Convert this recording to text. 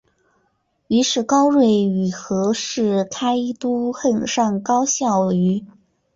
于是高睿与和士开都恨上高孝瑜。